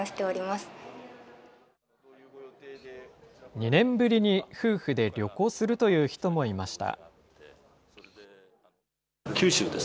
２年ぶりに夫婦で旅行するという人もいました。